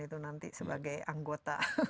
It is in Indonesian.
itu nanti sebagai anggota